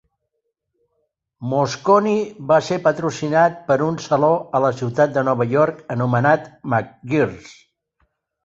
Mosconi va ser patrocinat per un saló a la ciutat de Nova York anomenat McGirr's.